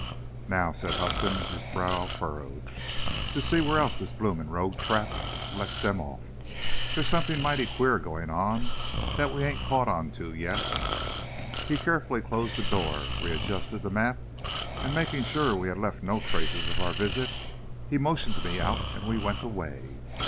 "Now," said Hudson, his brow furrowed, "to see where else this bloomin' rogue trap lets 'em off! There's somethin' mighty queer goin' on that we ain't caught on to yet!" He carefully closed the door, readjusted the map, and making sure we had left no traces of our visit, he motioned me out and we went away.